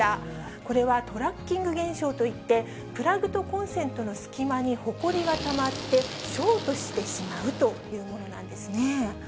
これはトラッキング現象といって、プラグとコンセントの隙間にほこりがたまって、ショートしてしまうというものなんですね。